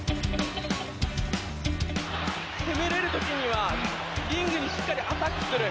攻められる時にはリングにしっかりアタックする。